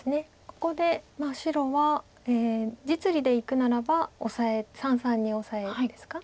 ここで白は実利でいくならば三々にオサエですか。